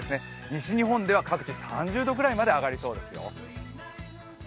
西日本では各地３０度ぐらいまでに上がりそうですよ。